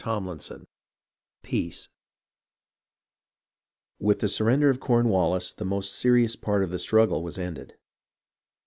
CHAPTER XXXVII PEACE With the surrender of CornwalHs, the most serious part of the struggle was ended.